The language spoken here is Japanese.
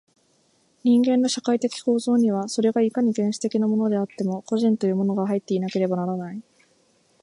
人間の社会的構造には、それがいかに原始的なものであっても、個人というものが入っていなければならない。